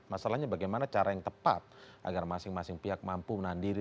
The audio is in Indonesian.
masalahnya bagaimana cara yang tepat agar masing masing pihak mampu menahan diri